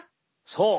そう！